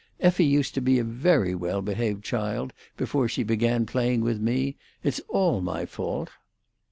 Effie used to be a very well behaved child before she began playing with me. It's all my fault."